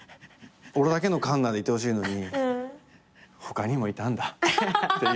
俺だけの環奈でいてほしいのに他にもいたんだっていう。